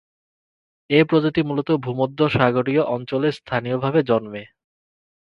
এই প্রজাতি মূলত ভূমধ্যসাগরীয় অঞ্চলে স্থানীয়ভাবে জন্মে।